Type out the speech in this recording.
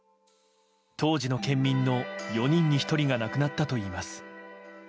当時の県民の４人に１人が亡くなったといいます。